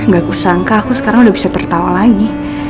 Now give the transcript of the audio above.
gak kusangka aku sekarang udah bisa tertawa lagi